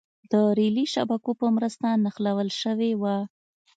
د رېلي شبکو په مرسته نښلول شوې وه.